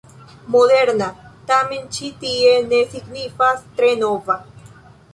”Moderna” tamen ĉi tie ne signifas tre nova.